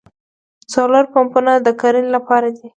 سولر پمپونه د کرنې لپاره دي.